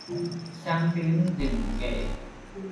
雙重人格